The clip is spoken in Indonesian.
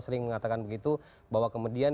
sering mengatakan begitu bahwa kemudian